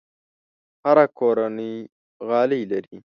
هره کورنۍ غالۍ لري.